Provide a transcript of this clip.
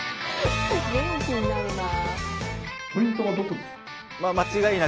元気になるなぁ。